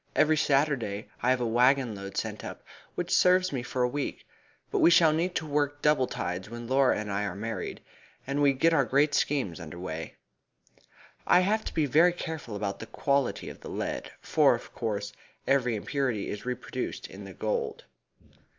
"Every Saturday I have a waggon load sent up, which serves me for a week, but we shall need to work double tides when Laura and I are married, and we get our great schemes under way. I have to be very careful about the quality of the lead, for, of course, every impurity is reproduced in the gold."